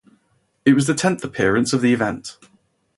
It was the tenth appearance of the event.